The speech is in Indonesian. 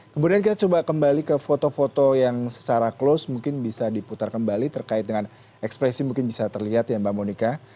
kemudian kita coba kembali ke foto foto yang secara close mungkin bisa diputar kembali terkait dengan ekspresi mungkin bisa terlihat ya mbak monika